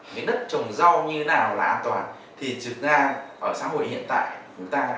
cái đất trồng rau như thế nào là an toàn thì thực ra ở xã hội hiện tại chúng ta